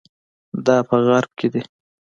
دا په غرب کې دي.